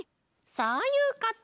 そういうこと！